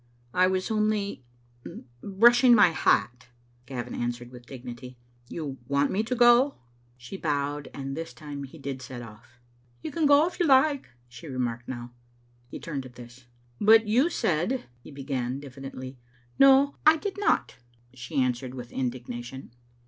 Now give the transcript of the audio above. "I was only — brushing my hat," Gavin answered with dignity. " You want me to go?" She bowed, and this time he did set off. " You can go if you like," she remarked now. He turned at this. " But you said " he began, diffidently. "No, I did not," she answered, with indignation.